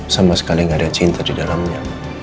sama sekali gak ada cinta di dalamnya